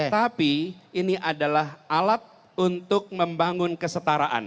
tapi ini adalah alat untuk membangun kesetaraan